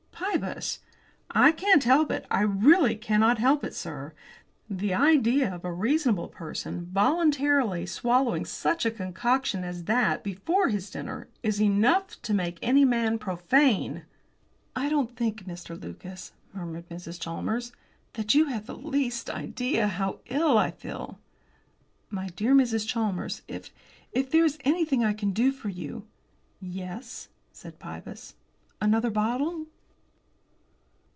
"Pybus!" "I can't help it. I really cannot help it, sir. The idea of a reasonable person voluntarily swallowing such a concoction as that before his dinner is enough to make any man profane!" "I don't think, Mr. Lucas," murmured Mrs. Chalmers, "that you have the least idea how ill I feel." "My dear Mrs. Chalmers, if if there is anything I can do for you." "Yes," said Pybus, "another bottle."